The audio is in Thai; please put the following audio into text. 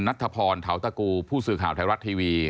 นัทธพรเทาตะกูผู้สื่อข่าวไทยรัฐทีวี